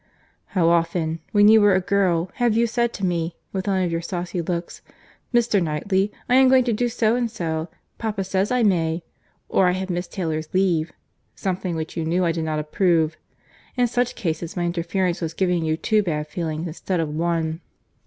"How often, when you were a girl, have you said to me, with one of your saucy looks—'Mr. Knightley, I am going to do so and so; papa says I may, or I have Miss Taylor's leave'—something which, you knew, I did not approve. In such cases my interference was giving you two bad feelings instead of one."